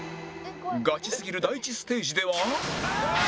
ガチすぎる第１ステージでは